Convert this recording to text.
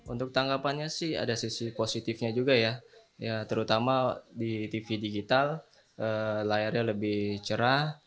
untuk tanggapannya sih ada sisi positifnya juga ya terutama di tv digital layarnya lebih cerah